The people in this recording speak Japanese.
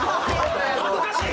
恥ずかしい？